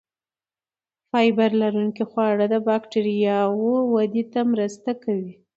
فایبر لرونکي خواړه د بکتریاوو ودې ته مرسته کوي.